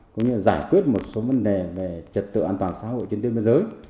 cũng như là giải quyết một số vấn đề về trật tựu an toàn xã hội chiến tinh thế giới